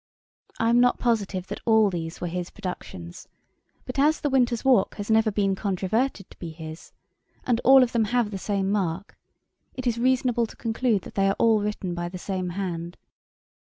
I am not positive that all these were his productions; but as 'The Winter's Walk' has never been controverted to be his, and all of them have the same mark, it is reasonable to conclude that they are all written by the same hand.